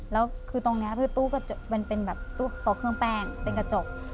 แล้วคือตรงนี้คือตู้ก็เป็นแบบโต๊ะเครื่องแป้งเป็นกระจก